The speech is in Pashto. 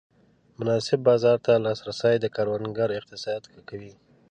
مناسب بازار ته لاسرسی د کروندګر اقتصاد ښه کوي.